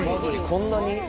こんなに？